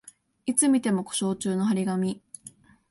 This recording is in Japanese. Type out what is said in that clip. いつ見ても故障中の張り紙